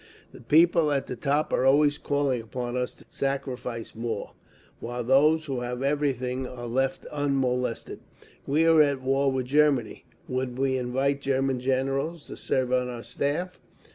"The people at the top are always calling upon us to sacrifice more, sacrifice more, while those who have everything are left unmolested. "We are at war with Germany. Would we invite German generals to serve on our Staff?